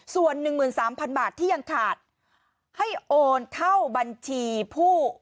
ส่วน๑๓๐๐๐บาทที่ยังขาดให้โอนเข้าบัญชีผู้